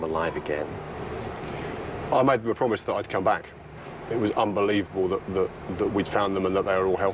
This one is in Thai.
มันไม่เชื่อว่าเราได้เจอพวกมันและว่าพวกมันคุ้มกัน